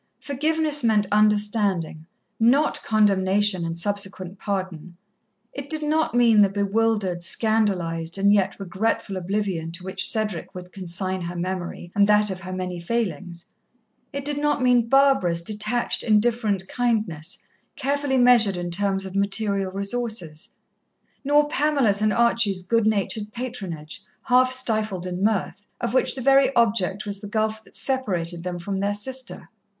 Forgiveness meant understanding not condemnation and subsequent pardon. It did not mean the bewildered, scandalized, and yet regretful oblivion to which Cedric would consign her memory and that of her many failings, it did not mean Barbara's detached, indifferent kindness, carefully measured in terms of material resources, nor Pamela's and Archie's good natured patronage, half stifled in mirth, of which the very object was the gulf that separated them from their sister.